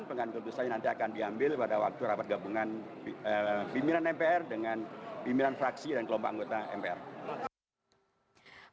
pengambilan keputusan nanti akan diambil pada waktu rapat gabungan pimpinan mpr dengan pimpinan fraksi dan kelompok anggota mpr